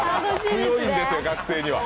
強いんですよ、学生には。